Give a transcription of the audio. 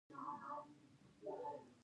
یو غړی خوږ شي څه کیږي؟